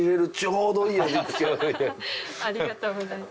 ありがとうございます。